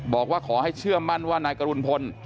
บอกว่าขอให้เชื่อมั่นว่านายกรุณพล